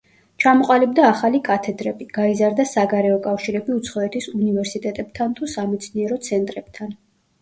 ჩამოყალიბდა ახალი კათედრები, გაიზარდა საგარეო კავშირები უცხოეთის უნივერსიტეტებთან თუ სამეცნიერო ცენტრებთან.